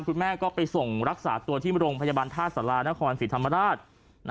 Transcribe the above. คุณแม่ก็ไปส่งรักษาตัวที่โรงพยาบาลท่าสารานครศรีธรรมราช